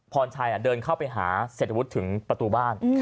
พรชัยเดินเข้าไปหาเศรษฐวุฒิถึงประตูบ้าน